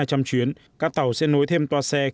các tuyến tàu sẽ nối thêm toa xe